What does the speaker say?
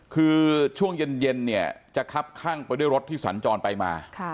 คือช่วงเย็นเนี่ยจะคับข้างไปด้วยรถที่สัญจรไปมา